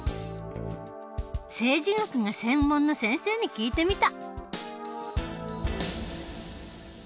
政治学が専門の先生に聞いてみた。